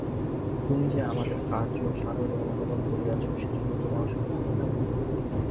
তুমি যে আমাদের কার্য সাদরে অনুমোদন করিয়াছ, সেজন্য তোমায় অসংখ্য ধন্যবাদ।